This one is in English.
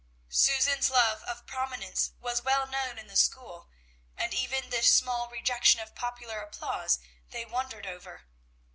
Susan's love of prominence was well known in the school, and even this small rejection of popular applause they wondered over.